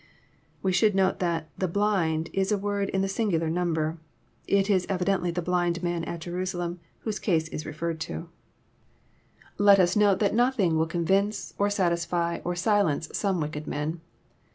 ii We should note that "the blind" is a word in the singular 1; number. It is evidently the blind man at Jerusalem whose case is referred to. JOHN, CHAP. XI. 277 Let US note that nothing will convince, or satisfy, or silence some wicked men.